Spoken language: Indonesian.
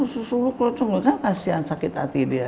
susu lu klocong kan kasihan sakit hati dia